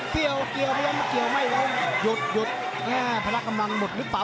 เกี่ยวไม่ลงยุดพละกำลังหมดหรือเปล่า